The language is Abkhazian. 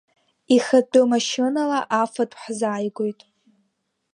Ихатәы машьынала афатә ҳзааигоит.